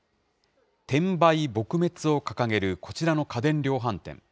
転売撲滅を掲げるこちらの家電量販店。